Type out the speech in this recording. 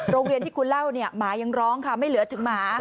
โรงเรียนที่คุณเล่าเนี่ยหมายังร้องค่ะไม่เหลือถึงหมา